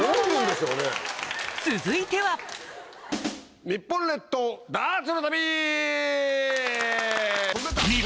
続いては日本列島ダーツの旅！